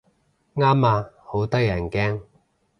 啱啊，好得人驚